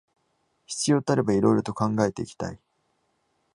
必要とあれば色々と考えていきたい